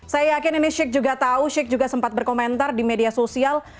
saya yakin ini sik juga tau sik juga sempat berkomentar di media sosial